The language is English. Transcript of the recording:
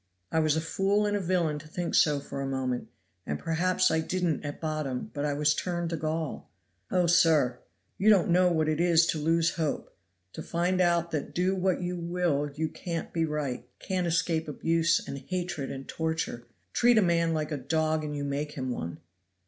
I was a fool and a villain to think so for a moment, and perhaps I didn't at bottom, but I was turned to gall. "Oh, sir! you don't know what it is to lose hope, to find out that do what you will you can't be right, can't escape abuse and hatred and torture. Treat a man like a dog and you make him one!